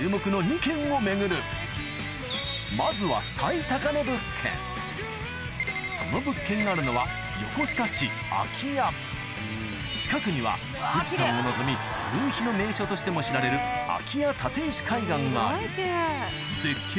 まずはその物件があるのは近くには富士山を望み夕日の名所としても知られるうわ！